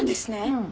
うん。